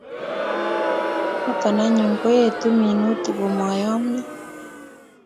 Noto anyun koetu minutik komoyomyo